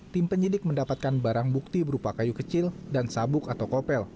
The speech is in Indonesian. tim penyidik mendapatkan barang bukti berupa kayu kecil dan sabuk atau kopel